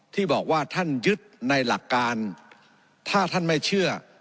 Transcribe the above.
ที่บอกว่าท่านยึดในหลักการถ้าท่านไม่เชื่อ